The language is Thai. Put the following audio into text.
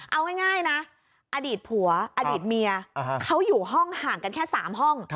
เอาง่ายนะอดีตผัวอดีตเมียเขาอยู่ห้องห่างกันแค่๓ห้อง